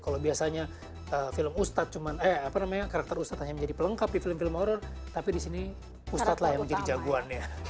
kalau biasanya film ustadz cuman eh apa namanya karakter ustadz hanya menjadi pelengkap di film film horror tapi di sini ustadz lah yang menjadi jagoannya